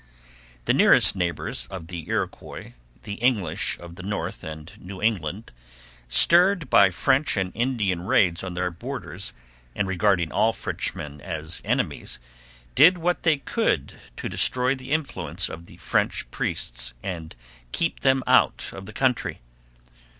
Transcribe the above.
The nearest neighbours of the Iroquois, the English of New York and New England, stirred by French and Indian raids on their borders and regarding all Frenchmen as enemies, did what they could to destroy the influence of the French priests and keep them out of the country.